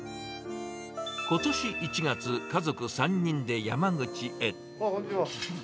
ことし１月、家族３人で山口へ。